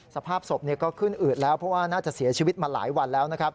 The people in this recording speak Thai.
สภาพศพก็ขึ้นอืดแล้วเพราะว่าน่าจะเสียชีวิตมาหลายวันแล้วนะครับ